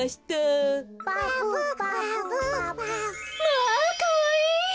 まあかわいい！